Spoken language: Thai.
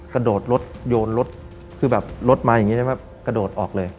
กระโดดรถโยนรถคือแบบรถมาอย่างนี้ใช่ไหมกระโดดออกเลย